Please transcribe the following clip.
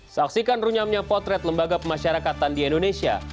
saksikan runyamnya potret lembaga pemasyarakatan di indonesia